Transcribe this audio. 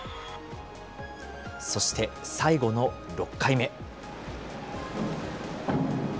そして最後の６回目。